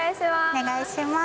お願いします。